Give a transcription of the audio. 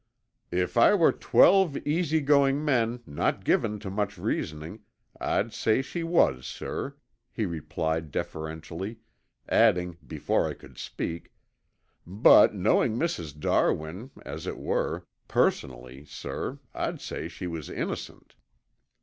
"If I were twelve easy going men not given to much reasoning, I'd say she was, sir," he replied deferentially, adding before I could speak, "But knowing Mrs. Darwin as it were personally sir, I'd say she was innocent."